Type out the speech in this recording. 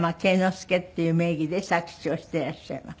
介っていう名義で作詞をしていらっしゃいます。